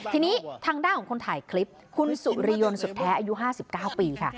ทีนี้ทางด้านของคนถ่ายคลิปคุณสุริยนต์สุดแท้อายุ๕๙ปีค่ะ